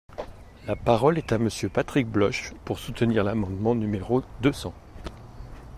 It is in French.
La parole est à Monsieur Patrick Bloche, pour soutenir l’amendement numéro deux cents.